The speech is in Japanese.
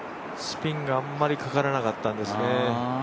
スピンがあんまりかからなかったんですね。